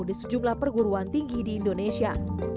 di sejumlah perguruan tinggi di indonesia